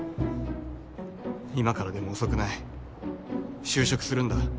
今からでも遅くない就職するんだ